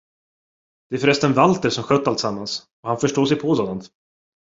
Det är för resten Walter, som skött alltsammans, och han förstår sig på sådant.